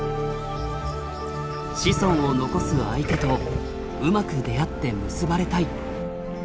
子孫を残す相手とうまく出会って結ばれたい！